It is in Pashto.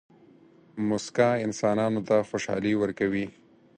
موسکا انسانانو ته خوشحالي ورکوي.